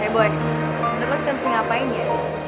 boy udah pake temsi ngapain ya